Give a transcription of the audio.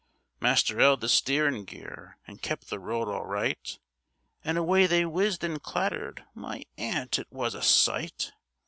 Master 'eld the steerin' gear, an' kept the road all right, And away they whizzed and clattered—my aunt! it was a sight.